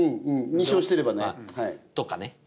２勝してればね。とかね。